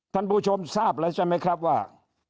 ท่านผู้ชมทราบแล้วใช่ไหมครับว่า